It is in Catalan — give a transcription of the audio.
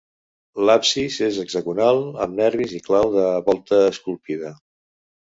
L'absis és hexagonal, amb nervis i clau de volta esculpida.